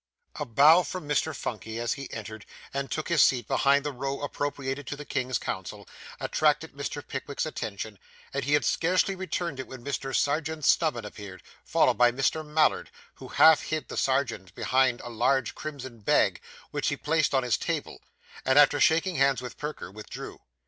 A bow from Mr. Phunky, as he entered, and took his seat behind the row appropriated to the King's Counsel, attracted Mr. Pickwick's attention; and he had scarcely returned it, when Mr. Serjeant Snubbin appeared, followed by Mr. Mallard, who half hid the Serjeant behind a large crimson bag, which he placed on his table, and, after shaking hands with Perker, withdrew.